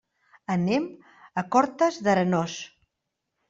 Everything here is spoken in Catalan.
Anem a Cortes d'Arenós.